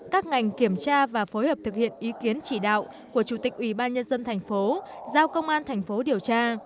các ngành kiểm tra và phối hợp thực hiện ý kiến chỉ đạo của chủ tịch ubnd tp giao công an thành phố điều tra